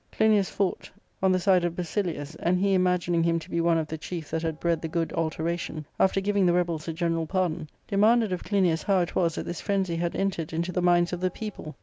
Glinias fought on the side of Q 2 228 . ARCADIA.^Book II. Basilius, and he imagining him to be one of the chief that had bred the good alteration, after giving the rebels a general pardon, demanded of Clinias how it was that this frenzy had entered into the minds of the people.